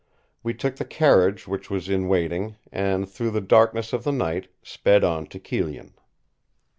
We took the carriage which was in waiting, and through the darkness of the night sped on to Kyllion.